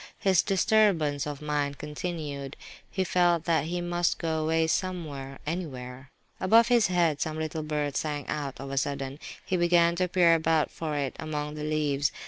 His disturbance of mind continued; he felt that he must go away somewhere, anywhere. Above his head some little bird sang out, of a sudden; he began to peer about for it among the leaves.